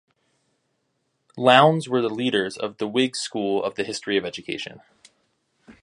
Lowndes were the leaders of the Whig school of the history of education.